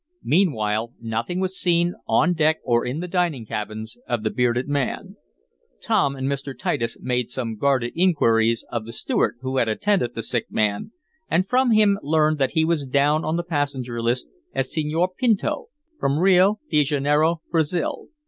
Meanwhile, nothing was seen, on deck or in the dining cabins, of the bearded man. Tom and Mr. Titus made some guarded inquiries of the steward who had attended the sick man, and from him learned that he was down on the passenger list as Senor Pinto, from Rio de Janeiro, Brazil.